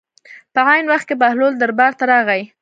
په عین وخت کې بهلول دربار ته راغی.